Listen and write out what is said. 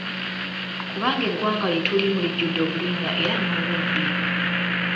Kubanga eggwanga lye tulimu lijjudde obulimba era nobubbi.